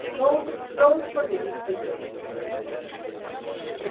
Este era un grupo de unas cuarenta personas que tenía su sede en Sevilla.